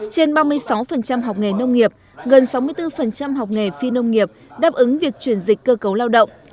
trên ba mươi sáu học nghề nông nghiệp gần sáu mươi bốn học nghề phi nông nghiệp đáp ứng việc chuyển dịch cơ cấu lao động